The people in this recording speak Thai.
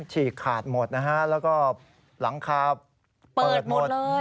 ฉีกขาดหมดนะฮะแล้วก็หลังคาเปิดหมด